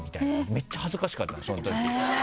めっちゃ恥ずかしかったそのとき。